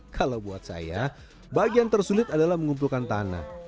kalau buat saya bagian tersulit adalah mengumpulkan tanah